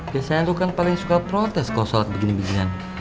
biasanya itu kan paling suka protes kok sholat begini beginian